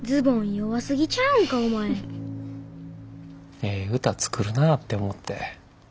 ええ歌作るなぁって思って。